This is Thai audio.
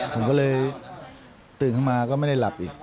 ผมก็เลยตื่นเข้ามาก็ไม่ได้หลับอีก